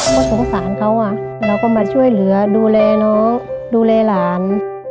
ก็สงสารเขาเราก็มาช่วยเหลือดูแลน้องดูแลหลาน